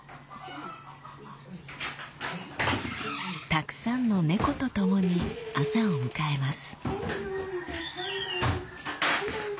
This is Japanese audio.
たくさんの猫とともに朝を迎えます。